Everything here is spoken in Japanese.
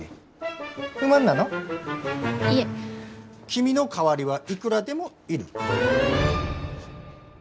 君の代わりはいくらでもいる。